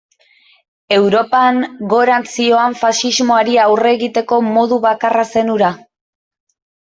Europan gorantz zihoan faxismoari aurre egiteko modu bakarra zen hura.